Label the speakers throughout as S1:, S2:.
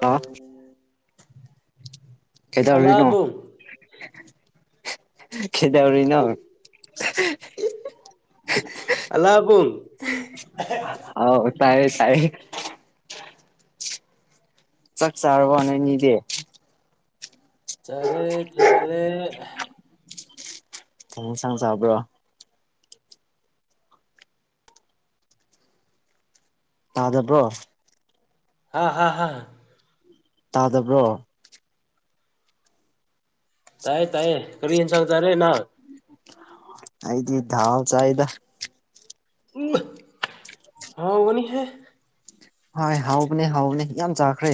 S1: hello ꯀꯩꯗꯧꯔꯤꯅꯣ
S2: ꯑꯂꯥꯕꯨꯡ
S1: ꯀꯩꯗꯧꯔꯤ ꯅꯣ
S2: ꯑꯂꯥꯕꯨꯝ
S1: ꯑꯥꯎ ꯇꯥꯏꯌꯦ ꯇꯥꯏꯌꯦ ꯆꯥꯛ ꯆꯥꯔꯕꯣ ꯅꯣꯏꯅꯤꯗꯤ
S2: ꯆꯥꯔꯦ ꯆꯥꯔꯦ
S1: ꯀꯩ ꯏꯟꯁꯥꯡ ꯆꯥꯕ꯭ꯔꯣ ꯇꯥꯗꯕ꯭ꯔꯣ
S2: ꯍꯥ ꯍꯥ ꯍꯥ
S1: ꯇꯥꯗꯕ꯭ꯔꯣ
S2: ꯇꯥꯏꯌꯦ ꯇꯥꯏꯌꯦ ꯀꯕꯤ ꯏꯟꯁꯥꯡ ꯆꯥꯔꯦ ꯅꯪ
S1: ꯑꯩꯗꯤ ꯊꯥꯎ ꯆꯥꯏꯗ
S2: ꯎꯝ ꯍꯥꯎꯕꯅꯤꯍꯦ
S1: ꯍꯣꯏ ꯍꯥꯎꯕꯅꯦ ꯍꯥꯎꯕꯅꯦ ꯌꯥꯝ ꯆꯥꯈ꯭ꯔꯦ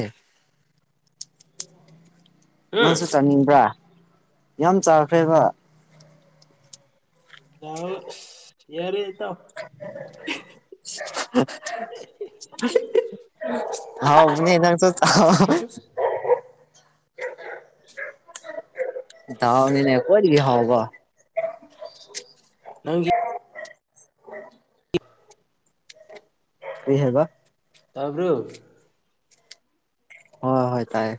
S2: ꯎꯝ
S1: ꯅꯪꯁꯨ ꯆꯥꯅꯤꯡꯕ꯭ꯔꯥ ꯌꯥꯝ ꯆꯥꯈ꯭ꯔꯦꯕ
S2: ꯑꯁ ꯌꯥꯔꯦ ꯏꯇꯥꯎ
S1: ꯁꯌ [unintelligible] ꯎ [unintelligible] ꯍꯥꯎꯕꯅꯦ ꯅꯪꯁꯨ ꯆꯥꯎ
S2: [unintelligible]
S1: ꯊꯥꯎꯅꯤꯅꯦ ꯈ꯭ꯋꯥꯏꯗꯒꯤ ꯍꯥꯎꯕ
S2: ꯅꯪꯒꯤ [inaudible]
S1: ꯀꯩ ꯍꯥꯏꯕ
S2: ꯇꯥꯕ꯭ꯔꯨ
S1: ꯍꯣꯏ ꯍꯣꯏ ꯇꯥꯏꯌꯦ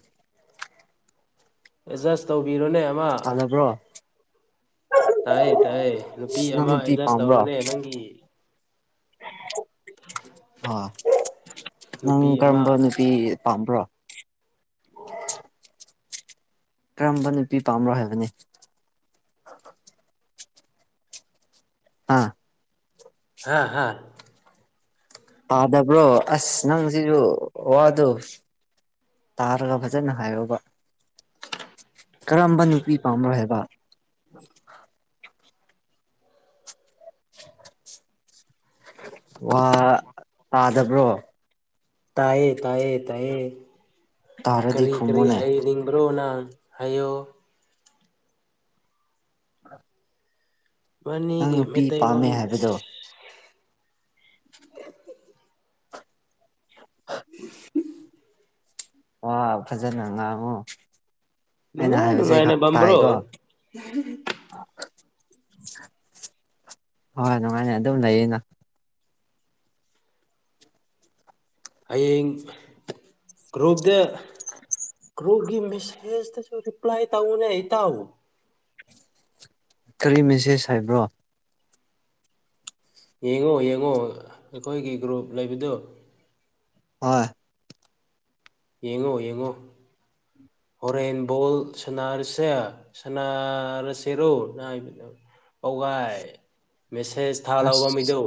S2: ꯑꯦꯖꯁ ꯇꯧꯕꯤꯔꯣꯅꯦ ꯑꯃꯥ
S1: ꯇꯥꯗꯕ꯭ꯔꯣ
S2: ꯇꯥꯏꯌꯦ ꯇꯥꯏꯌꯦ ꯅꯨꯄꯤ
S1: ꯅꯪ
S2: ꯑꯃꯥ
S1: ꯅꯨꯄꯤ
S2: ꯑꯦꯖꯁ
S1: ꯄꯥꯝꯕ꯭ꯔꯣ
S2: ꯇꯧꯔꯣꯅꯦ ꯅꯪꯒꯤ
S1: ꯑꯥ ꯅꯪ
S2: ꯅꯨꯄꯤ ꯑꯃ
S1: ꯀꯔꯝꯕ ꯅꯨꯄꯤꯒꯤ ꯄꯥꯝꯕ꯭ꯔꯣ ꯀꯔꯝꯕ ꯅꯨꯄꯤ ꯄꯥꯝꯕꯔꯥ ꯍꯥꯏꯕꯅꯦ ꯑꯥ
S2: ꯍꯥ ꯍꯥ
S1: ꯇꯥꯗꯕ꯭ꯔꯣ ꯑꯁ ꯅꯪꯖꯤꯖꯨ ꯋꯥꯗꯣ ꯇꯥꯔꯒ ꯐꯖꯅ ꯍꯥꯏꯌꯣꯕ ꯀꯔꯝꯕ ꯅꯨꯄꯤ ꯄꯥꯝꯕꯔꯥ ꯍꯥꯏꯕ [inaudible] ꯋꯥ ꯇꯥꯗꯕ꯭ꯔꯣ
S2: ꯇꯥꯏꯌꯦ ꯇꯥꯏꯌꯦ ꯇꯥꯏꯌꯦ
S1: ꯇꯥꯔꯗꯤ
S2: ꯀꯔꯤ ꯀꯔꯤ
S1: ꯈꯨꯝꯃꯨꯅꯦ
S2: ꯍꯥꯏꯌꯅꯤꯡ ꯕ꯭ꯔꯣꯅ ꯍꯥꯏꯌꯣ
S1: ꯅꯪ
S2: ꯕꯥꯅꯤꯒꯤ
S1: ꯅꯨꯄꯤ ꯄꯥꯝꯃꯦ
S2: ꯃꯩꯇꯩꯂꯣꯟ ꯑꯁ
S1: ꯍꯥꯏꯕꯗꯣ
S2: [unintelligible]
S1: [unintelligible] ꯋꯥ ꯐꯖꯅ ꯉꯥꯡꯉꯣ ꯑꯩꯅ
S2: ꯅꯨꯡꯉꯥꯏ
S1: ꯍꯥꯏꯕꯖꯦ ꯈꯥ
S2: ꯅꯨꯡꯉꯥꯏꯅ
S1: ꯇꯥꯏꯀꯣ
S2: ꯕꯝꯕ꯭ꯔꯣ
S1: ꯍꯣꯏ ꯅꯨꯡꯉꯥꯏꯅ ꯑꯗꯨꯝ ꯂꯩꯌꯦꯅ
S2: ꯍꯥꯌꯦꯡ ꯒ꯭ꯔꯨꯞꯇ ꯒ꯭ꯔꯨꯞꯒꯤ ꯃꯦꯁꯦꯁꯇꯁꯨ ꯔꯤꯄ꯭ꯂꯥꯏ ꯇꯧꯅꯦ ꯏꯇꯥꯎ
S1: ꯀꯔꯤ ꯃꯦꯁꯦꯁ ꯍꯥꯏꯕ꯭ꯔꯣ
S2: ꯌꯦꯡꯉꯣ ꯌꯦꯡꯉꯣ ꯑꯈꯣꯏꯒꯤ ꯒ꯭ꯔꯨꯞ ꯂꯩꯕꯗꯨ
S1: ꯍꯣꯏ
S2: ꯌꯦꯡꯉꯣ ꯌꯦꯡꯉꯣ ꯍꯣꯔꯦꯟ ꯕꯣꯜ ꯁꯥꯟꯅꯔꯁꯦ ꯁꯥꯟꯅꯥꯔꯁꯦꯔꯣ ꯄꯧꯒꯥꯏ ꯃꯦꯁꯦꯁ ꯊꯥ ꯂꯥꯎꯕ
S1: ꯑꯁ
S2: ꯃꯤꯗꯣ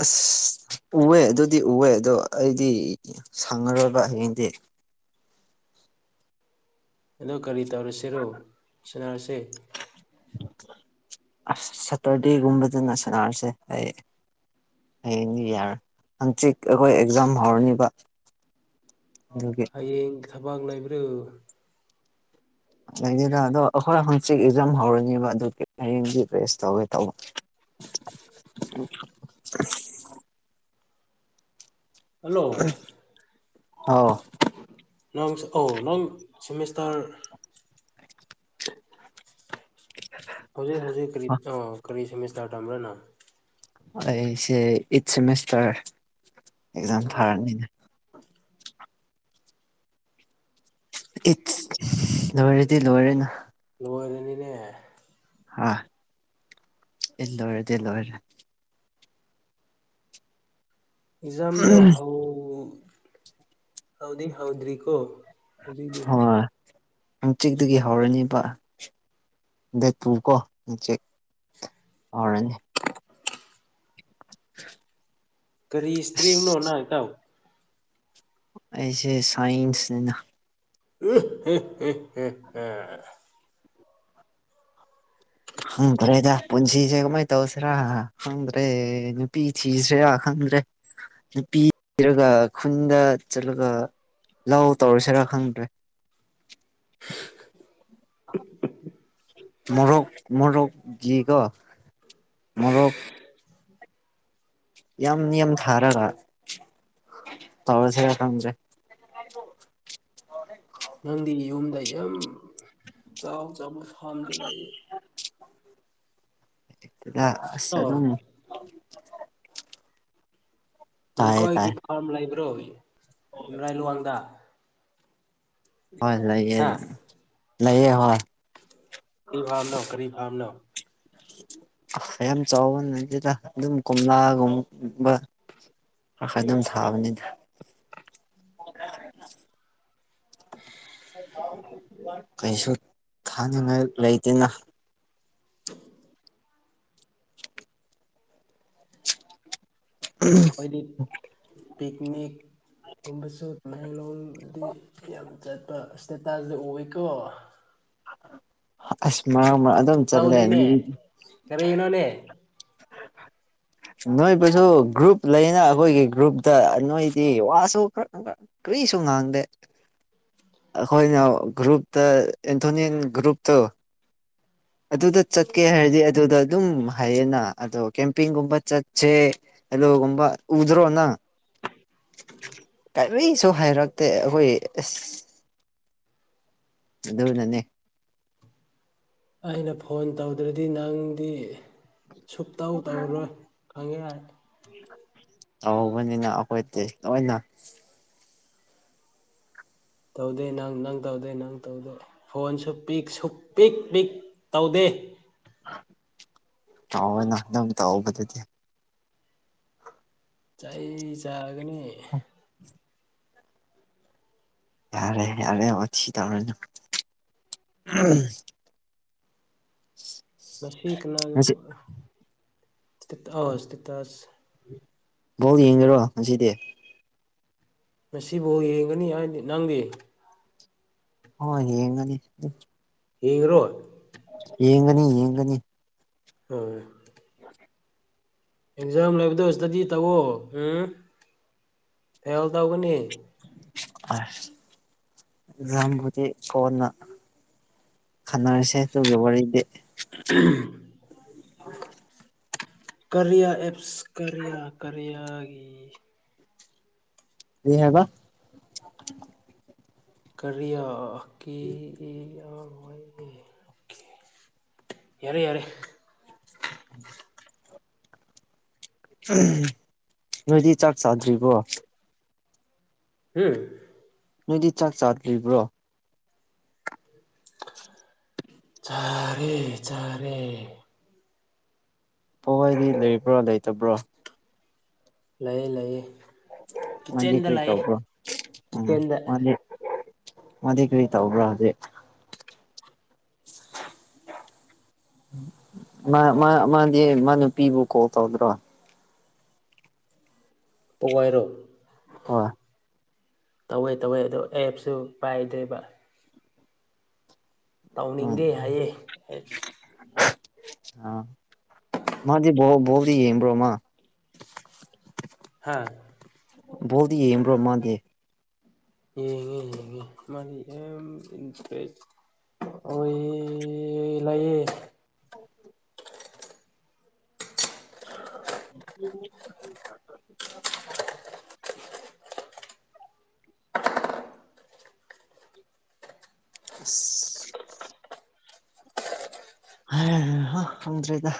S1: ꯑꯁ ꯎꯋꯦ ꯑꯗꯨꯗꯤ ꯎꯋꯦ ꯑꯗꯣ ꯑꯩꯗꯤ ꯁꯪꯉꯔꯣꯏꯕ ꯍꯌꯦꯡꯗꯤ
S2: ꯑꯗꯣ ꯀꯔꯤ ꯇꯧꯔꯁꯦꯔꯣ ꯁꯅꯔꯁꯦ
S1: ꯑꯁ ꯁꯇ꯭ꯔꯗꯦꯒꯨꯝꯕꯗꯅ ꯁꯅ꯭ꯔꯁꯦ ꯑꯩ ꯍꯌꯦꯡꯗꯤ ꯌꯥꯔꯣꯏ ꯍꯪꯆꯤꯛ ꯑꯈꯣꯏ ꯑꯦꯛꯖꯥꯝ ꯍꯧꯔꯅꯤꯕ ꯑꯗꯨꯒꯤ
S2: ꯍꯌꯦꯡ ꯊꯕꯛ ꯂꯩꯕ꯭ꯔꯨ
S1: ꯂꯩꯗꯦꯗ ꯑꯗꯣ ꯑꯩꯈꯣꯏ ꯍꯪꯆꯤꯠ ꯑꯦꯛꯖꯥꯝ ꯍꯧꯔꯅꯤꯕ ꯑꯗꯨꯒꯤ ꯍꯌꯦꯡꯗꯤ ꯔꯦꯁ ꯇꯧꯒꯦ ꯇꯧꯕ [inaudible]
S2: ꯍꯜꯂꯣ
S1: ꯑꯣ
S2: ꯅꯪꯁꯨꯀꯣ ꯅꯪ ꯁꯦꯃꯦꯁꯇꯔ
S1: [inaudible]
S2: ꯍꯧꯖꯤꯛ ꯍꯧꯖꯤꯛ ꯀꯔꯤ ꯑꯣ ꯀꯔꯤ ꯁꯦꯃꯤꯁꯇꯔ ꯇꯝꯕ꯭ꯔꯥ ꯅꯥ
S1: ꯑꯩꯁꯦ ꯑꯩꯠ ꯁꯦꯃꯦꯁꯇꯔ ꯑꯦꯛꯖꯥꯝ ꯊꯥꯔꯅꯤꯅꯦ ꯏꯠꯁ ꯂꯣꯏꯔꯗꯤ ꯂꯣꯏꯔꯦꯅ
S2: ꯂꯣꯏꯔꯅꯤꯅꯦ
S1: ꯍꯥꯥ ꯑꯩꯠ ꯂꯣꯏꯔꯗꯤ ꯂꯣꯏꯔꯦ
S2: ꯑꯦꯛꯖꯥꯝꯗꯣ ꯍꯥꯎ ꯍꯥꯎꯗꯤ ꯍꯥꯎꯗ꯭ꯔꯤꯀꯣ ꯍꯧꯖꯤꯛꯇꯤ
S1: ꯍꯣꯏ ꯍꯥꯡ ꯆꯤꯠꯇꯒꯤ ꯍꯧꯔꯅꯦꯕ [unintelligible] ꯍꯧꯔꯅꯤ
S2: [unintelligible]
S1: [unintelligible]
S2: ꯀꯔꯤ ꯏꯁꯇ꯭ꯔꯤꯅꯣ
S1: ꯑꯁ
S2: ꯅꯪ ꯏꯇꯥꯎ
S1: ꯑꯩꯁꯦ ꯁꯥꯏꯟꯁꯅꯤꯅ
S2: [inaudible]
S1: ꯈꯪꯗ꯭ꯔꯦꯗ ꯄꯨꯟꯁꯤꯁꯦ ꯀꯃꯥꯏꯅ ꯇꯧꯁꯤꯔꯥ ꯈꯪꯗ꯭ꯔꯦ ꯅꯨꯄꯤ ꯊꯤꯁꯤ꯭ꯔ ꯈꯪꯗ꯭ꯔꯦ ꯅꯨꯄꯤ [unintelligible] ꯈꯨꯟꯗ ꯆꯠꯂꯒ ꯂꯥꯎ ꯇꯧꯔꯁꯤꯔꯥ ꯈꯪꯗ꯭ꯔꯦ
S2: [inaudible]
S1: ꯃꯣꯔꯣꯛ ꯃꯣꯔꯣꯛ ꯒꯤ ꯀꯣ ꯃꯣꯔꯣꯛ ꯌꯥꯝ ꯌꯥꯝ ꯊꯥꯔꯒ ꯇꯧꯔꯥꯁꯤꯔ ꯈꯪꯗ꯭ꯔꯦ [inaudible]
S2: ꯅꯪꯗꯤ ꯌꯨꯝꯗ ꯌꯥꯝ ꯆꯥꯎ ꯆꯥꯎꯕ ꯐꯥꯝꯁꯨ ꯂꯩ
S1: [unintelligible]
S2: ꯑꯣ
S1: ꯑꯗꯨꯝ ꯇꯥꯏꯌꯦ ꯇꯥꯏ
S2: ꯅꯪꯈꯣꯏꯒꯤ ꯐꯥꯔꯝ ꯂꯩꯕ꯭ꯔꯣ ꯏꯔꯥꯏ ꯂꯨꯋꯥꯡꯗ
S1: ꯍꯣꯏ ꯂꯩꯌꯦ
S2: ꯍꯥ
S1: ꯂꯩꯌꯦ ꯍꯣꯏ
S2: ꯀꯔꯤ ꯐꯥꯕꯅꯣ ꯀꯔꯤ ꯐꯥꯝꯅꯣ
S1: ꯌꯥꯝ ꯆꯥꯎꯕ ꯅꯥꯠꯇꯦꯗꯥ ꯑꯗꯨꯝ ꯀꯣꯝꯂ ꯒꯨꯝ [unintelligible] ꯑꯗꯨꯝ ꯊꯥꯕꯅꯤꯅ [inaudible]
S2: [inaudible]
S1: ꯀꯩꯁꯨ ꯊꯥꯅꯤꯡꯉꯥꯏ ꯂꯩꯇꯦꯅ
S2: ꯅꯥꯈꯣꯏꯗꯤ ꯄꯛꯅꯤꯛ ꯒꯨꯝꯕꯁꯨ ꯇꯃꯦꯡꯂꯣꯡꯗꯤ ꯌꯥꯝ ꯆꯠꯄ ꯏꯁꯇꯦꯇꯥꯗꯤ ꯑꯣꯏꯀꯣ
S1: ꯑꯁ ꯃꯔꯛ ꯃꯔꯛ ꯑꯗꯨꯝ ꯆꯠꯂꯦ
S2: ꯁꯥꯎꯗꯅꯦ ꯀꯥꯔꯤꯅꯣꯅꯦ
S1: ꯅꯣꯏꯕꯨꯁꯨ ꯒ꯭ꯔꯨꯞ ꯂꯩꯅ ꯑꯩꯈꯣꯏꯒꯤ ꯒ꯭ꯔꯨꯞꯇ ꯅꯣꯏꯗꯤ ꯋꯥꯁꯨ ꯈꯛ ꯈꯔꯥ ꯀꯔꯤꯁꯨ ꯉꯥꯡꯗꯦ ꯑꯩꯈꯣꯏꯅ ꯒ꯭ꯔꯨꯞꯇ ꯑꯦꯟꯊꯣꯅꯤꯟ ꯒ꯭ꯔꯨꯞꯇꯨ ꯑꯗꯨꯗ ꯆꯠꯀꯦ ꯍꯥꯏꯔꯗꯤ ꯑꯗꯨꯗ ꯑꯗꯨꯝ ꯍꯥꯏꯌꯦꯅ ꯑꯗꯣ ꯀꯦꯝꯄꯤꯡꯒꯨꯝꯕ ꯆꯠꯁꯦ ꯍꯜꯂꯣ ꯀꯝꯕ ꯎꯗꯔꯣ ꯅꯪ ꯀꯔꯤꯁꯨ ꯍꯥꯏꯔꯛꯇꯦ ꯑꯩꯈꯣꯏ ꯑꯁ ꯑꯗꯨꯗꯣ ꯅꯅꯦ
S2: ꯑꯩꯅ ꯐꯣꯟ ꯇꯧꯗ꯭ꯔꯗꯤ ꯅꯪꯗꯤ ꯁꯨꯛꯇꯧ ꯇꯧꯔꯣꯏ ꯈꯪꯉꯦ
S1: ꯇꯧꯕꯅꯤꯅ ꯑꯩꯈꯣꯏꯗꯤ ꯂꯣꯏꯅ
S2: ꯇꯧꯗꯦ ꯅꯪ ꯅꯪ ꯇꯧꯗꯦ ꯅꯪ ꯇꯧꯗꯦ ꯐꯣꯟ ꯁꯨ ꯄꯤꯛ ꯁꯨꯛ ꯄꯤꯛ ꯄꯤꯛ ꯇꯧꯗꯦ
S1: ꯇꯑꯣ ꯅ ꯑꯗꯨꯝ ꯇꯧꯕꯗꯨꯗꯤ
S2: ꯆꯩ ꯆꯥꯒꯅꯤ
S1: ꯌꯥꯔꯦ ꯌꯥꯔꯦ ꯋꯥꯊꯤ ꯇꯧꯔꯅꯨ ꯎꯝ [inaudible] ꯉꯁꯤ
S2: [unintelligible]
S1: ꯕꯣꯜ ꯌꯦꯡꯉꯤꯔꯣ ꯉꯁꯤꯗꯤ
S2: ꯃꯁꯤꯕꯨ ꯌꯦꯡꯒꯅꯤ ꯍꯥꯏꯗꯤ ꯅꯪꯗꯤ
S1: ꯑꯣ ꯌꯦꯡꯉꯅꯤ
S2: ꯍꯤ ꯔꯣꯠ
S1: ꯌꯦꯡꯒꯅꯤ ꯌꯦꯡꯒꯅꯤ
S2: [unintelligible]
S1: [unintelligible]
S2: ꯑꯦꯛꯖꯥꯝ ꯂꯩꯕꯗꯣ ꯏꯁꯇꯗꯤ ꯇꯧꯋꯣ ꯎꯝ ꯐꯦꯜ ꯇꯧꯒꯅꯤ
S1: ꯑꯁ ꯔꯥꯝꯕꯨꯗꯤ ꯀꯣꯟꯅ ꯈꯠꯅꯔꯁꯦ ꯇꯨꯒꯤ ꯋꯥꯔꯤꯗꯤ
S2: [unintelligible]
S1: [unintelligible]
S2: ꯀꯔꯤꯌꯥ ꯑꯦꯞꯁ ꯀꯔꯤꯌꯥ ꯀꯔꯤꯌꯥꯒꯤ
S1: ꯅꯦ ꯍꯥꯏꯕ
S2: ꯀꯔꯤꯌꯥ ꯀꯤ [unintelligible] ꯌꯥꯔꯦ ꯌꯥꯔꯦ
S1: ꯅꯣꯏꯗꯤ ꯆꯥꯛ ꯆꯥꯗ꯭ꯔꯤꯕꯣ
S2: ꯍꯨꯝ
S1: ꯅꯣꯏꯗꯤ ꯆꯥꯛ ꯆꯥꯗ꯭ꯔꯤꯕ꯭ꯔꯣ [unintelligible]
S2: ꯆꯥꯔꯦ ꯆꯥꯔꯦ
S1: ꯄꯋꯥꯗꯤ ꯂꯩꯕ꯭ꯔꯣ ꯂꯩꯇꯕ꯭ꯔꯣ
S2: ꯂꯩꯌꯦ ꯂꯩꯌꯦ
S1: ꯃꯥꯗꯤ
S2: ꯀꯤꯠꯆꯦꯟꯗ
S1: ꯀꯔꯤ
S2: ꯂꯩꯌꯦ
S1: ꯇꯧꯕ꯭ꯔꯣ ꯎꯝ
S2: ꯀꯤꯠꯆꯦꯟꯗ
S1: ꯃꯥꯗꯤ ꯃꯥꯗꯤ ꯀꯔꯤ ꯇꯧꯕ꯭ꯔꯥ ꯍꯧꯖꯤꯛ [unintelligible] ꯃꯥ ꯃꯥ ꯃꯥꯗꯤ ꯃꯥ ꯅꯨꯄꯤꯕꯨ ꯀꯣꯜ ꯇꯧꯗ꯭ꯔꯣ
S2: ꯄꯨꯋꯥꯏꯔꯣ
S1: ꯑꯣꯏ
S2: ꯇꯧꯋꯦ ꯇꯧꯋꯦ ꯑꯗꯣ ꯑꯦꯞꯁꯨ ꯄꯥꯏꯗꯣꯏꯕ ꯇꯧꯅꯤꯡꯗꯦ ꯍꯥꯏꯌꯦ ꯑꯦꯞꯁ
S1: ꯑ ꯃꯥꯗꯤ ꯕꯣ ꯕꯣꯜꯗꯤ ꯌꯦꯡꯕ꯭ꯔꯣ ꯃꯥ
S2: ꯍꯥ
S1: ꯕꯣꯜꯗꯤ ꯌꯦꯡꯕ꯭ꯔꯣ ꯃꯥꯥꯗꯤ
S2: ꯌꯦꯡꯉꯦ ꯌꯦꯡꯉꯦ ꯃꯥꯗꯤ ꯌꯥꯝ ꯏꯟꯇꯔꯦꯁ ꯑꯣꯏꯌꯦ ꯂꯩꯌꯦ
S1: [unintelligible] [unintelligible] ꯑꯁ ꯐꯪꯗ꯭ꯔꯦꯗ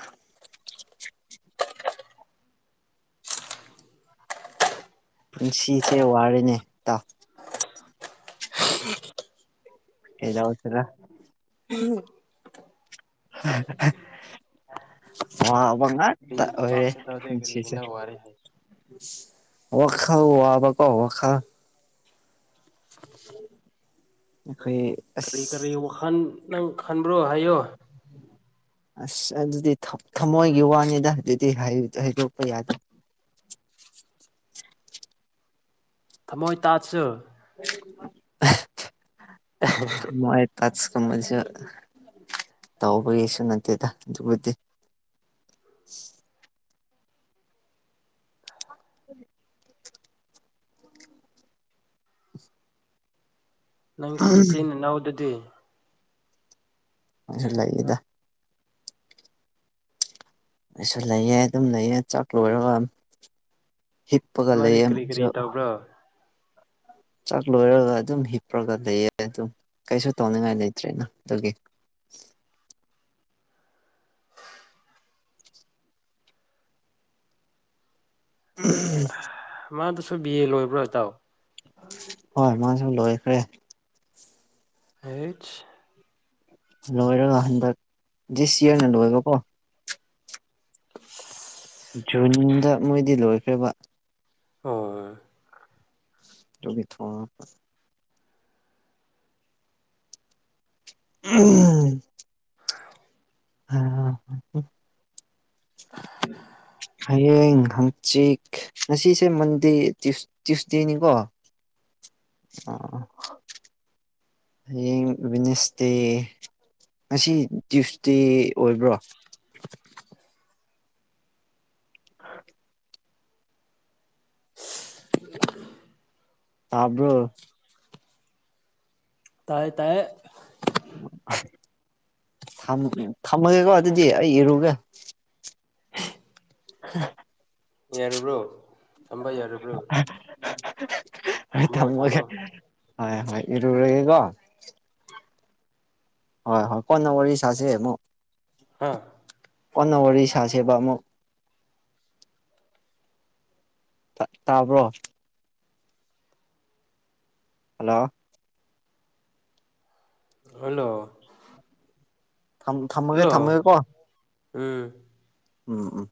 S1: ꯄꯨꯟꯁꯤꯁꯦ ꯋꯥꯔꯦꯅꯦ ꯇꯥꯎ ꯑꯦꯗꯥꯎ ꯇꯔ
S2: ꯎꯝ
S1: ꯋꯥ ꯋꯥꯉꯥ ꯇ
S2: ꯊꯕꯥꯛ
S1: ꯑꯣꯏꯔꯦ
S2: ꯆꯠꯇꯗꯦ
S1: ꯄꯨꯟꯁꯤꯁꯦ
S2: ꯀꯔꯤꯒꯤꯅ ꯋꯥꯔꯦ ꯍꯥꯏ
S1: ꯋꯥꯈꯜ ꯋꯥꯕꯀꯣ ꯋꯥꯈꯜ
S2: [unintelligible]
S1: ꯑꯩꯈꯣꯏ
S2: ꯀꯔꯤ ꯀꯔꯤ
S1: ꯑꯁ
S2: ꯋꯥꯈꯟ ꯅꯪ ꯈꯟꯕ꯭ꯔꯣ ꯍꯥꯏꯌꯣ
S1: ꯑꯁ ꯑꯗꯨꯗꯤ ꯊ ꯊꯃꯣꯏꯒꯤ ꯋꯥꯅꯤꯗ ꯑꯗꯨꯗꯤ ꯍꯥꯢ ꯍꯥꯏꯗꯣꯛꯄ ꯌꯥꯗꯦ
S2: ꯊꯝꯃꯣꯏ ꯇꯥꯠꯁꯨ
S1: [unintelligible]
S2: [unintelligible]
S1: ꯃꯣꯏ ꯇꯁ ꯀꯨꯝꯕꯁꯨ ꯇꯧꯕꯒꯤꯁꯨ ꯅꯠꯇꯦꯗ ꯑꯗꯨꯕꯨꯗꯤ [unintelligible]
S2: ꯅꯪꯒꯤ ꯏꯆꯤꯟ ꯏꯅꯥꯎꯗꯨꯗꯤ
S1: ꯃꯁꯨ ꯂꯩꯌꯦꯗ ꯑꯩꯁꯨ ꯂꯩꯌꯦ ꯑꯗꯨꯝ ꯂꯩꯌꯦ ꯆꯥꯛ ꯂꯣꯏꯔꯒ ꯍꯤꯞꯄꯒ
S2: ꯃꯥꯗꯤ
S1: ꯂꯩꯌꯦ
S2: ꯀꯔꯤ ꯀꯔꯤ
S1: ꯃꯥꯁꯨ
S2: ꯇꯧꯕ꯭ꯔꯣ
S1: ꯆꯥꯛ ꯂꯣꯏꯔꯒ ꯑꯗꯨꯝ ꯍꯤꯞꯄꯔꯒ ꯂꯩꯌꯦ ꯑꯗꯨꯝ ꯀꯩꯁꯨ ꯇꯧꯅꯤꯡꯉꯥꯏ ꯂꯩꯇ꯭ꯔꯦꯅ ꯑꯗꯨꯒꯤ ꯎꯝ
S2: ꯃꯥꯗꯨꯁꯨ ꯕꯤ ꯑꯦ ꯂꯣꯏꯕ꯭ꯔꯣ ꯏꯇꯥꯎ
S1: ꯍꯣꯏ ꯃꯥꯁꯨ ꯂꯣꯏꯈ꯭ꯔꯦ
S2: ꯍꯩꯆ
S1: ꯂꯣꯢꯔꯒ ꯍꯟꯗꯛ ꯖꯦ ꯁꯤꯌꯅ ꯂꯣꯢꯕꯀꯣ ꯖꯨꯟꯗ ꯃꯣꯏꯗꯤ ꯂꯣꯏꯈ꯭ꯔꯦꯕ
S2: ꯑꯣꯢ
S1: ꯗꯨꯒꯤ ꯊꯣꯡꯉꯕ ꯎꯝ
S2: ꯑꯥꯎ
S1: ꯍꯥꯎ
S2: [unintelligible]
S1: ꯍꯌꯦꯡ ꯍꯪꯆꯤꯛ ꯉꯁꯤꯁꯦ ꯃꯟꯗꯦ ꯇ꯭ꯌꯨꯁ ꯇ꯭ꯌꯨꯁꯗꯦꯅꯤꯀꯣ ꯑꯥ ꯍꯌꯦꯡ ꯕꯤꯅꯦꯁꯇꯦ ꯉꯁꯤ ꯇ꯭ꯌꯨꯁꯇꯦ ꯑꯣꯏꯕ꯭ꯔꯣ ꯍ
S2: [unintelligible]
S1: ꯇꯥꯕ꯭ꯔꯣ
S2: ꯇꯥꯏꯌꯦ ꯇꯥꯏꯌꯦ
S1: ꯊꯝ ꯊꯝꯃꯒꯦꯀꯣ ꯑꯗꯨꯗꯤ ꯑꯩ ꯏꯔꯨꯒꯦ [unintelligible]
S2: ꯌꯥꯔꯕ꯭ꯔꯣ ꯊꯝꯕ ꯌꯥꯔꯕ꯭ꯔꯣ
S1: ꯍꯣꯏ
S2: ꯊꯝꯃꯣ
S1: ꯊꯝꯃꯒꯦ
S2: ꯊꯝꯃꯣ
S1: ꯍꯣꯏ ꯍꯣꯏ ꯏꯔꯨꯔꯒꯦꯀꯣ ꯍꯣꯏ ꯍꯣꯏ ꯀꯣꯟꯅ ꯋꯥꯔꯤ ꯁꯥꯁꯦ ꯑꯃꯨꯛ
S2: ꯍꯥꯥ
S1: ꯑꯃꯅ ꯋꯥꯔꯤ ꯁꯥꯁꯦꯕ ꯑꯃꯨꯛ ꯇ ꯇꯥꯕ꯭ꯔꯣ ꯍꯜꯂꯣ
S2: ꯍꯜꯂꯣ
S1: ꯊꯝ ꯊꯝꯃꯒꯦ
S2: ꯍꯜꯂꯣ
S1: ꯊꯝꯃꯒꯦꯀꯣ
S2: ꯎꯝ
S1: ꯎꯝ ꯎꯝ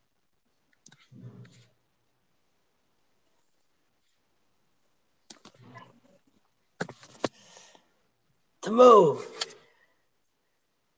S2: [unintelligible] ꯊꯝꯃꯣ